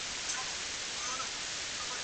زه کالي نه وچوم،